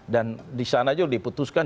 dan disana juga diputuskan